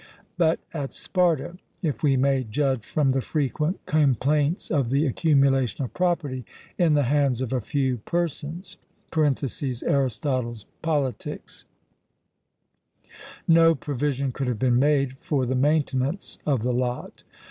But at Sparta, if we may judge from the frequent complaints of the accumulation of property in the hands of a few persons (Arist. Pol.), no provision could have been made for the maintenance of the lot.